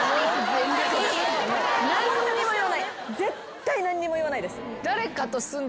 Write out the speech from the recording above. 絶対何にも言わないです。